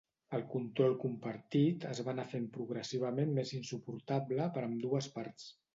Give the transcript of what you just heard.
El control compartit es va anar fent progressivament més insuportable per a ambdues parts.